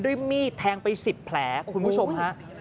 มีดแทงไป๑๐แผลคุณผู้ชมฮะ